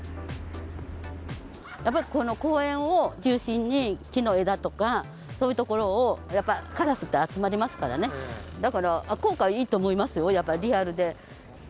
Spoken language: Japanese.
やっぱりこの公園を中心に、木の枝とか、そういうところをやっぱカラスって集まりますからね、だから効果はいいと思いますよ、やっぱりリアルで。